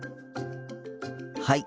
はい。